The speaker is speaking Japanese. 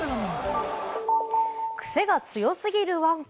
くせが強すぎるワンコ。